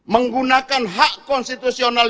menggunakan hak konstitusional